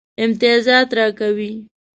امتیازات راکوي.